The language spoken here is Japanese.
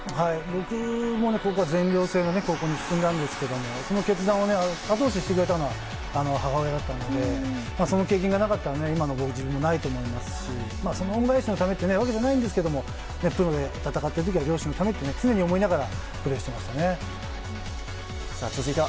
僕も高校は全寮制の高校に進んだんですがその決断を後押ししてくれたのは母親だったのでその経験がなかったら今の自分はないと思いますしその恩返しのためにというわけじゃないんですけどプロで戦っているのは両親のためと常に思いながらプレーしてますね。